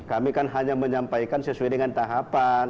kami kan hanya menyampaikan sesuai dengan tahapan